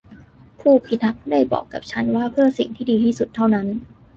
ผู้พิทักษ์ได้บอกกับฉันว่าเพิ่อสิ่งที่ดีที่สุดเท่านั้น